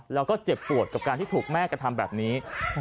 แล้วก็เจ็บปวดกับการหุ้มแม่การทำแบบนี้